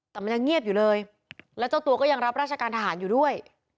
แต่มันยังเงียบอยู่เลยแล้วเจ้าตัวก็ยังรับราชการทหารอยู่ด้วย